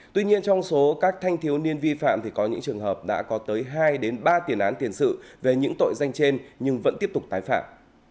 tuy nhiên trong số các thanh thiếu niên vi phạm thì có những trường hợp đã có tới hai ba tiền án tiền sự về những tội danh trên nhưng vẫn tiếp tục tái phạm